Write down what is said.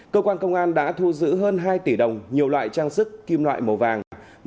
cơ quan công an đã thu giữ hơn hai tỷ đồng nhiều loại trang sức kim loại màu vàng